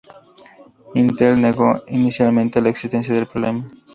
Intel negó inicialmente la existencia del problema.